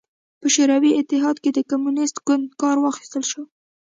په شوروي اتحاد کې د کمونېست ګوند کار واخیستل شو.